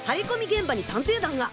現場に探偵団が！